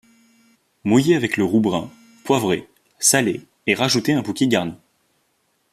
Mouiller avec le roux brun, poivrer, saler et rajouter un bouquet garni.